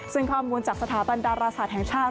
ซึ่งข้อมูลจากสถาบันดาราศาสตร์แห่งชาติ